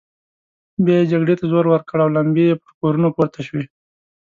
بيا يې جګړې ته زور ورکړ او لمبې يې پر کورونو پورته شوې.